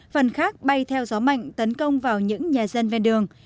phần khác bay theo gió mạnh tấn công vào những nhà dân ven đường